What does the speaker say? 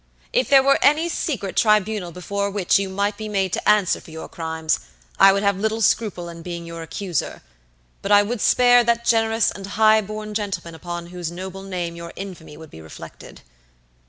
If there were any secret tribunal before which you might be made to answer for your crimes, I would have little scruple in being your accuser, but I would spare that generous and high born gentleman upon whose noble name your infamy would be reflected."